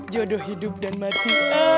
jodoh hidup dan mati